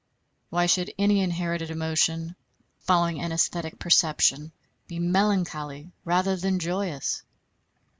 Why should any inherited emotion following an æsthetic perception be melancholy rather than joyous?...